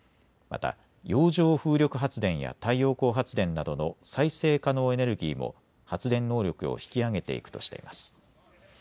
また、洋上風力発電や太陽光発電などの再生可能エネルギーも発電能力を引き上げていくとしています。